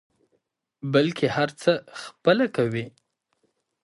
بلکې هر څه خپله کوي.